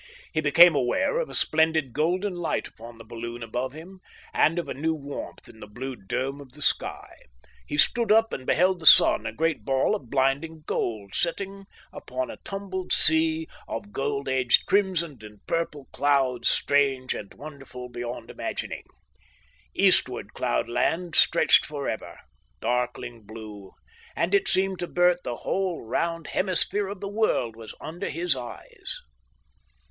He became aware of a splendid golden light upon the balloon above him, and of a new warmth in the blue dome of the sky. He stood up and beheld the sun, a great ball of blinding gold, setting upon a tumbled sea of gold edged crimson and purple clouds, strange and wonderful beyond imagining. Eastward cloud land stretched for ever, darkling blue, and it seemed to Bert the whole round hemisphere of the world was under his eyes.